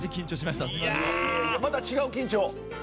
また違う緊張？